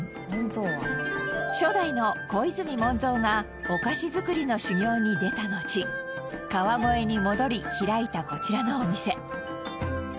初代の小泉紋蔵がお菓子作りの修業に出たのち川越に戻り開いたこちらのお店。